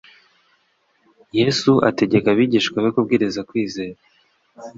Yesu ategeka abigishwa be kubwiriza kwizera